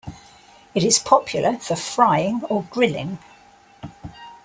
It is popular for frying or grilling.